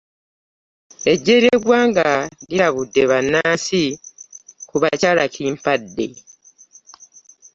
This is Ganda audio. Eggye ly'eggwanga lirabudde bannansi ku ba kyalakimpadde